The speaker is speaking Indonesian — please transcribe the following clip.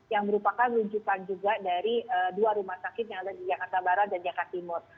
yang merupakan rujukan juga dari dua rumah sakit yang ada di jakarta barat dan jakarta timur